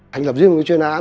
hành tập duyên một chuyên án